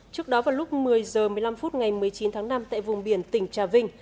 trước đó vào lúc một mươi h một mươi năm phút ngày một mươi chín tháng năm tại vùng biển tỉnh trà vinh